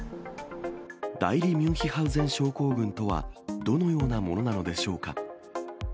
代理ミュンヒハウゼン症候群とは、どのようなものなのでしょうか。